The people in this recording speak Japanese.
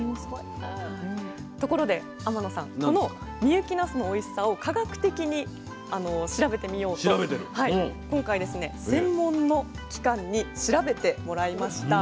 ところで天野さんこの深雪なすのおいしさを科学的に調べてみようと今回専門の機関に調べてもらいました。